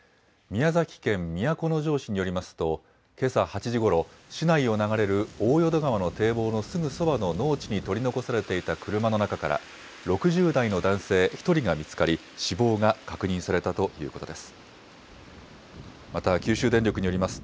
宮崎県都城市によりますと、けさ８時ごろ、市内を流れる大淀川の堤防のすぐそばの農地に取り残されていた車の中から、６０代の男性１人が見つかり、死亡が確認されたということです。